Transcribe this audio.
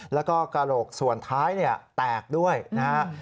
แล้วก็กระโหลกส่วนท้ายแตกด้วยนะครับ